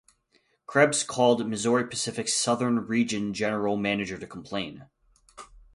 Krebs called Missouri Pacific's Southern Region General Manager to complain.